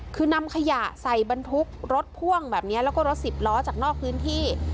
คือนำขยะใส่บรรทุกรถพ่วงแบบนี้แล้วก็รถสิบล้อจากนอกพื้นที่